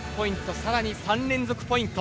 更に３連続ポイント。